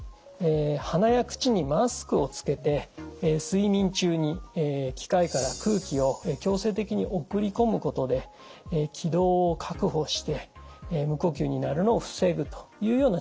鼻や口にマスクをつけて睡眠中に機械から空気を強制的に送り込むことで気道を確保して無呼吸になるのを防ぐというような治療法です。